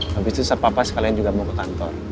habis itu sepapa sekalian juga mau ke kantor